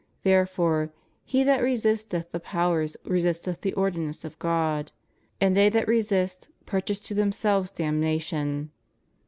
Therefore, he that resisteth the powers resisteth the ordinance of God. And they that resist, purchase to themselves damnation.